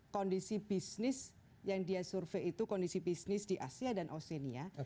kondisi bisnis yang dia survei itu kondisi bisnis di asia dan oceania